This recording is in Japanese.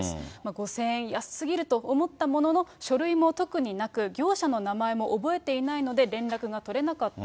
５０００円、安すぎると思ったものの、書類も特になく、業者の名前も覚えていないので連絡が取れなかった。